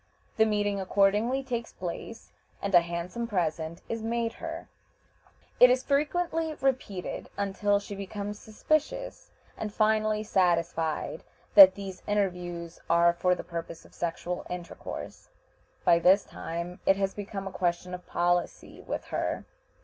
The meeting accordingly takes place, and a handsome present is made her. It is frequently repeated, until she becomes suspicious, and finally satisfied that these interviews are for the purpose of sexual intercourse. By this time it has become a question of policy with her.